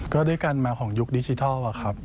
ก็ด้วยการมาของยุคดิจิทัลครับ